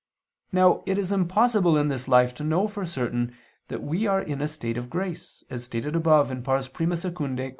Now it is impossible in this life to know for certain that we are in a state of grace, as stated above (I II, Q.